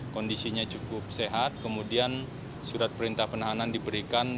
kondisinya cukup sehat kemudian surat perintah penahanan diberikan